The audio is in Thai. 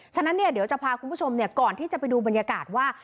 ฉะนั้นเดี๋ยวจะพาคุณผู้ชมก่อนที่จะไปดูบรรยากาศว่า